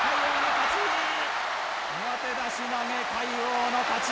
上手出し投げ、魁皇の勝ち。